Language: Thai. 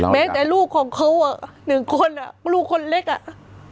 แม้แต่ลูกของเขาอ่ะหนึ่งคนอ่ะลูกคนเล็กอ่ะ